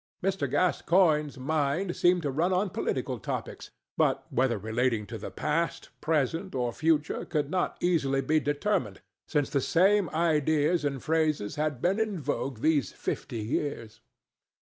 Mr. Gascoigne's mind seemed to run on political topics, but whether relating to the past, present or future could not easily be determined, since the same ideas and phrases have been in vogue these fifty years.